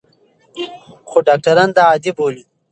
خو ډاکټران دا عادي بولي.